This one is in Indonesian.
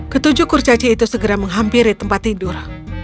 ketujuh kurcaci itu segera menghampiri tempat tidur